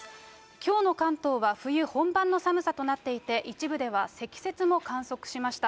きょうの関東は冬本番の寒さとなっていて、一部では積雪も観測しました。